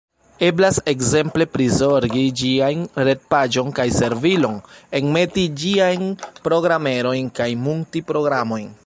Eblas ekzemple prizorgi ĝiajn retpaĝon kaj servilon, enmeti ĝiajn programerojn kaj munti programojn.